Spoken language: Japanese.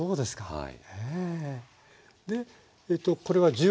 はい。